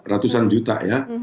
ratusan juta ya